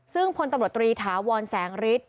ซึ่งพลตำรวจตรีถาวรแสงฤทธิ